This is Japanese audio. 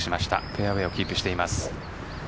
フェアウェイをキープしています。